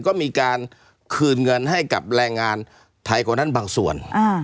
ก็มีการคืนเงินให้กับแรงงานไทยคนนั้นบางส่วน